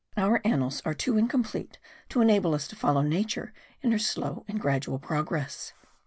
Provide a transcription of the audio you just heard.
Our annals are too incomplete to enable us to follow Nature in her slow and gradual progress.